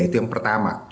itu yang pertama